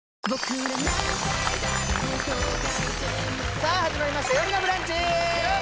さあ始まりました「よるのブランチ」！